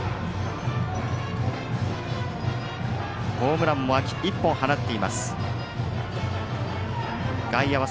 ホームランも秋１本放っています。